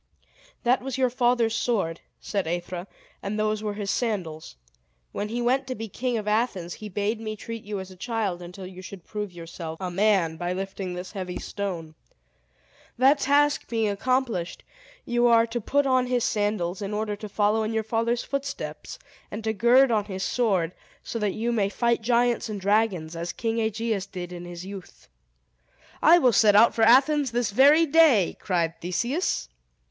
"That was your father's sword," said Aethra, "and those were his sandals. When he went to be king of Athens, he bade me treat you as a child until you should prove yourself a man by lifting this heavy stone. That task being accomplished, you are to put on his sandals, in order to follow in your father's footsteps, and to gird on his sword, so that you may fight giants and dragons, as King Aegeus did in his youth." "I will set out for Athens this very day!" cried Theseus.